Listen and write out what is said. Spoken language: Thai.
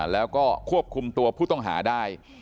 แล้วก็ควบคุมตัวผู้ต้องหาได้